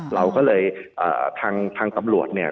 เราก็เลยทางตำรวจเนี่ย